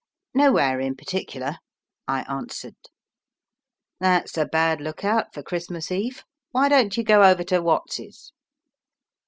"Nowhere in particular," I answered. "That's a bad look out for Christmas eve. Why don't you go over to Watts's?"